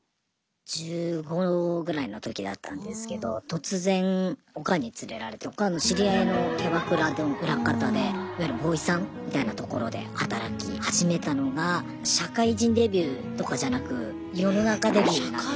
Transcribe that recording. １５ぐらいの時だったんですけど突然オカンに連れられてオカンの知り合いのキャバクラの裏方でいわゆるボーイさんみたいなところで働き始めたのが社会人デビューとかじゃなく世の中デビューなんですね。